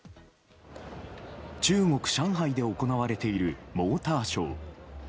中国・上海で行われているモーターショー。